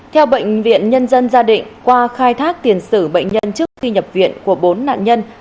theo bệnh viện nhân dân gia định qua khai thác tiền sử bệnh nhân trước khi nhập viện của bốn nạn nhân